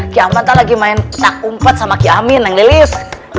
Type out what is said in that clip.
ki aman tadi lagi main petak umpat sama ki amin neng delis